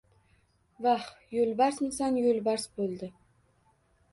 Vah! Yo‘lbarsmisan yo‘lbars bo‘ldi!